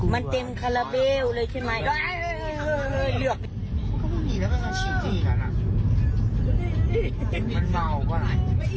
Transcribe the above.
มาเหี้ยงด้วย